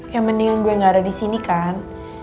yang mendingan gue gak ada di sini kan